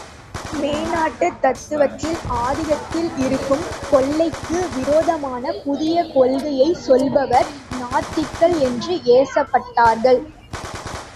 மேநாட்டுத் தத்துவத்தில், ஆதிக்கத்தில் இருக்கும் கொள்கைக்கு விரோதமான புதிய கொள்கையைச் சொல்லுபவர் நாத்திகள் என்று ஏசப்பட்டார்கள்.